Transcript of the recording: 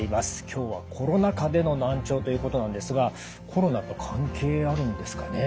今日はコロナ禍での難聴ということなんですがコロナと関係あるんですかね。